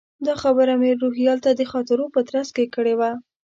دا خبره مې روهیال ته د خاطرو په ترڅ کې کړې وه.